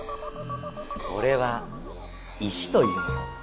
これは石というもの。